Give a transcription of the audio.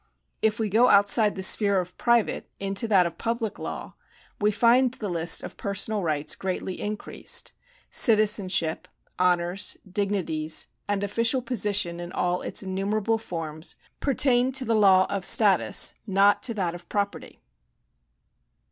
If we go outside the sphere of private, into that of public law, we find the list of personal rights greatly increased. Citizenship, honours, dignities, and official position in all its innumerable forms pertain to the law of status, not to that of property.